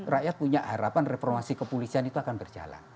rakyat punya harapan reformasi kepolisian itu akan berjalan